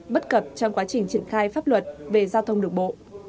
bất cập trong quá trình triển khai pháp luật về giao thông đường bộ